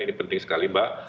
ini penting sekali mbak